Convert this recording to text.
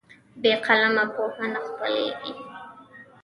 بې قلمه پوهه نه خپرېږي.